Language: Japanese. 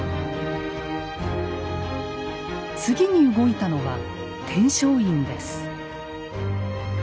次に動いたのは天璋院です。